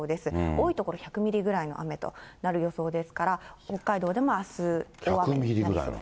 多い所１００ミリぐらいの雨となる予想ですから、北海道でもあす、大雨になりそうです。